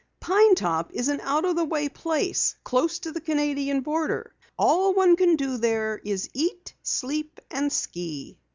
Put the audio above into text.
"Pine Top is an out of the way place, close to the Canadian border. All one can do there is eat, sleep, and ski."